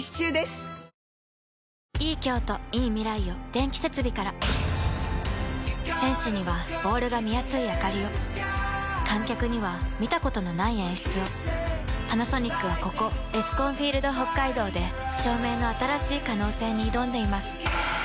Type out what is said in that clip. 『徹子の部屋』は選手にはボールが見やすいあかりを観客には見たことのない演出をパナソニックはここエスコンフィールドＨＯＫＫＡＩＤＯで照明の新しい可能性に挑んでいます